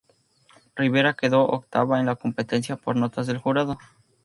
Rivera quedó octava en la competencia por notas del jurado.